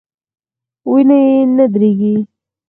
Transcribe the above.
وینه یې نه دریږي.